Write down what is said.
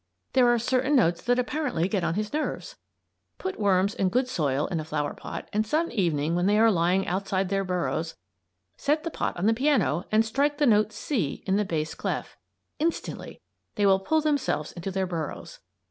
There are certain notes that apparently get on his nerves. Put worms in good soil in a flower pot, and some evening when they are lying outside their burrows set the pot on the piano and strike the note C in the bass clef. Instantly they will pull themselves into their burrows.